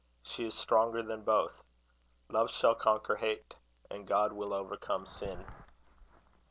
She is stronger than both. Love shall conquer hate; and God will overcome sin.